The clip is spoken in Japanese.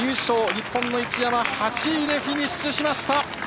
日本の一山８位でフィニッシュしました！